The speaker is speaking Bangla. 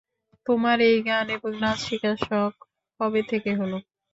তোমার এই গান এবং নাচ শিখার শখ কবে থেকে হলো?